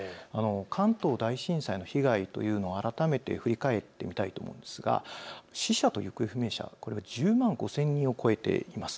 関東大震災の被害というのは改めて振り返ってみたいと思いますが死者と行方不明者、これは１０万５０００人を超えています。